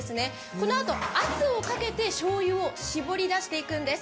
このあと、圧をかけて、しょうゆを搾り出していくんです。